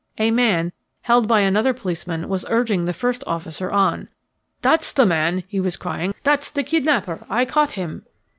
A man, held by another policeman, was urging the first officer on. "That's the man," he was crying. "That's the kidnapper. I caught him."